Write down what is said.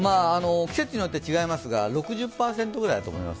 季節によって違いますが、６０％ぐらいだと思います。